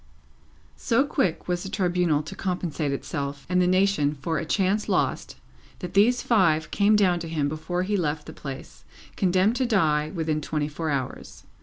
So quick was the Tribunal to compensate itself and the nation for a chance lost, that these five came down to him before he left the place, condemned to die within twenty four hours.